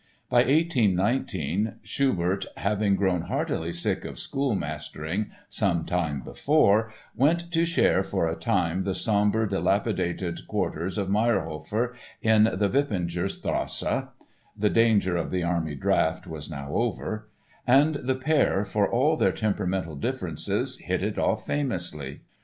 By 1819, Schubert, having grown heartily sick of schoolmastering some time before, went to share for a while the sombre, dilapidated quarters of Mayrhofer in the Wipplinger Strasse (the danger of the army draft was now over) and the pair, for all their temperamental differences, hit it off famously.